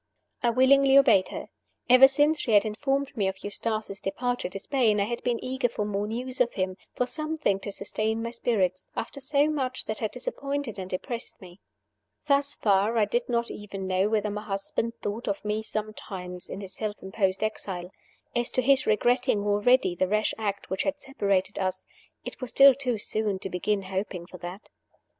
I willingly obeyed her. Ever since she had informed me of Eustace's departure to Spain I had been eager for more news of him, for something to sustain my spirits, after so much that had disappointed and depressed me. Thus far I did not even know whether my husband thought of me sometimes in his self imposed exile. As to this regretting already the rash act which had separated us, it was still too soon to begin hoping for that.